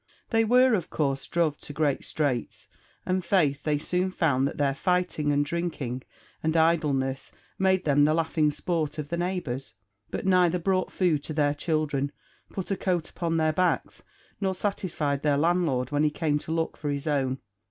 They were, of course, dhruv to great straits; and faith, they soon found that their fighting, and drinking, and idleness made them the laughing sport of the neighbours; but neither brought food to their childhre, put a coat upon their backs, nor satisfied their landlord when he came to look for his own.